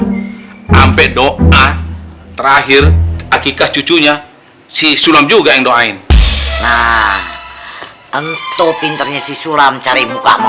sampai doa terakhir akikah cucunya si sulam juga yang doain nah ento pintarnya si sulam cari muka